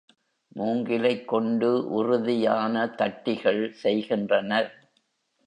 மூங்கிலைக் கொண்டு உறுதியான தட்டி கள் செய்கின்றனர்.